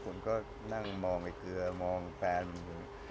มันก็นั่งมองไอ้เกลือมองแฟนมัน